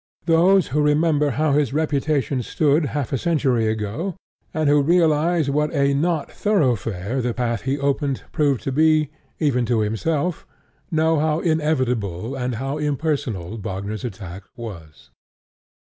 Those who remember how his reputation stood half a century ago, and who realize what a nothoroughfare the path he opened proved to be, even to himself, know how inevitable and how impersonal Wagner's attack was.